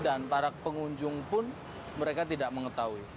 dan para pengunjung pun mereka tidak mengetahui